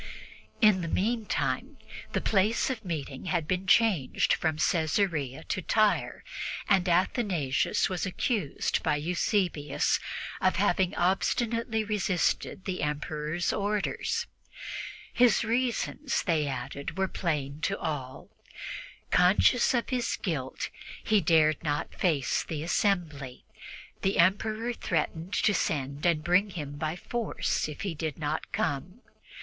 In the meantime the place of meeting had been changed from Caesarea to Tyre, and Athanasius was accused by Eusebius of having obstinately resisted the Emperor's orders. His reasons, they added, were plain to all; conscious of his guilt, he dared not face the assembly. The Emperor threatened to send and bring him by force if he did not come.